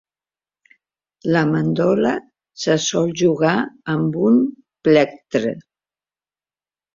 La mandola se sol jugar amb un plectre.